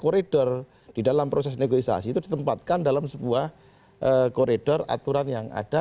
karena koridor di dalam proses negosiasi itu ditempatkan dalam sebuah koridor aturan yang ada